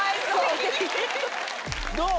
どう？